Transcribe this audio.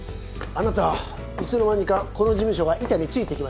あなたいつの間にかこの事務所が板についてきましたね。